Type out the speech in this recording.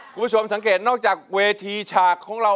คุณผู้ชมสังเกตนอกจากเวทีฉากของเรา